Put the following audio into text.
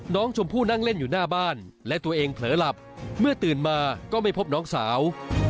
น้องชมพู่นั่งเล่นอยู่หน้าบ้านและตัวเองเผลอหลับเมื่อตื่นมาก็ไม่พบน้องสาว